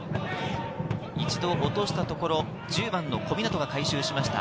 一度落としたところを１０番の小湊が回収しました。